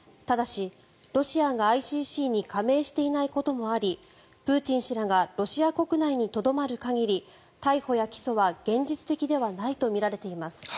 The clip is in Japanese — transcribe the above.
ただし、ロシアがＩＣＣに加盟していないこともありプーチン氏らがロシア国内にとどまる限り逮捕や起訴は現実的ではないとみられています。